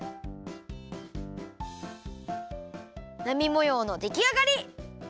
なみもようのできあがり！